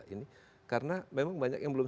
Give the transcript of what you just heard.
ini karena memang banyak yang belum